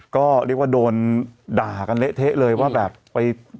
ก็เรียกว่าโดนด่ากันเละเทะเลยว่าแบบไป